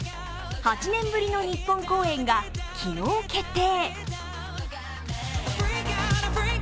８年ぶりの日本公演が昨日決定。